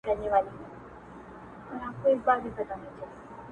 دا تر ټولو بې حیاوو بې حیا دی,